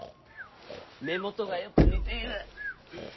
目元がよく似ている。